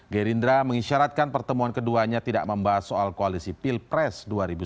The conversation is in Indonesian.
gerindra mengisyaratkan pertemuan keduanya tidak membahas soal koalisi pilpres dua ribu sembilan belas